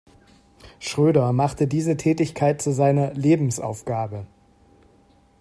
Schröder machte diese Tätigkeit zu seiner „Lebensaufgabe“.